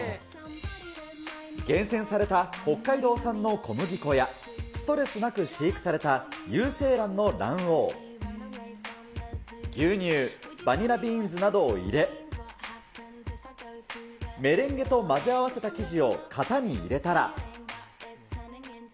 厳選された北海道産の小麦粉や、ストレスなく飼育された有精卵の卵黄、牛乳、バニラビーンズなどを入れ、メレンゲと混ぜ合わせた生地を型に入れたら。